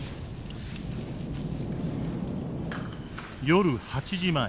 夜８時前。